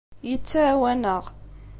Yettɛawan-aɣ.